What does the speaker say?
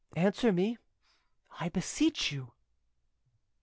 Answer me, I beseech you."